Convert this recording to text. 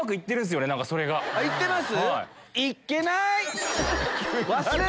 行ってます？